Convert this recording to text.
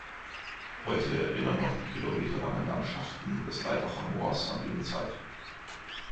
Heute erinnern noch die kilometerlangen Landschaften des Laibacher Moors an jene Zeit.